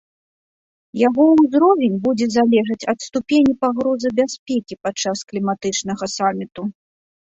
Яго ўзровень будзе залежыць ад ступені пагрозы бяспекі падчас кліматычнага саміту.